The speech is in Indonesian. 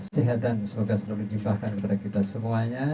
sehat dan semoga selalu dijumpakan kepada kita semuanya